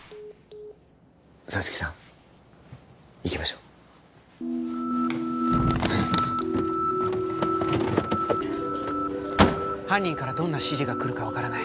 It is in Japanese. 沙月さん行きましょう犯人からどんな指示が来るか分からない